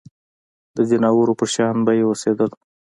د ځناورو په شان به یې اوسېدل.